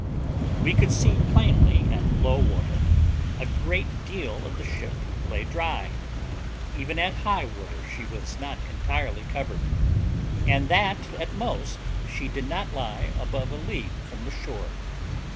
We could see plainly, at low water, a great deal of the ship lay dry; even at high water, she was not entirely covered; and that at most she did not lie above a league from the shore.